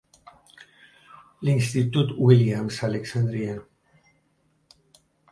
L'institut Williams a Alexandria.